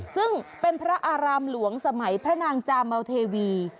ซึ่งเป็นพระอารามหลวงสมัยพระนางจาเมาเทวี